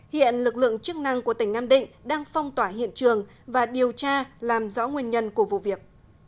hiện lực lượng chức năng của tỉnh nam định đang phong tỏa hiện trường và điều tra làm rõ nguyên nhân của vụ việc